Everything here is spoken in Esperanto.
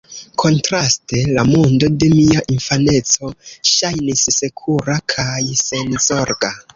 Kontraste, la mondo de mia infaneco ŝajnis sekura kaj senzorga.